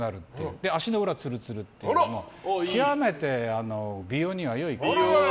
で、足の裏ツルツルっていう極めて美容には良い。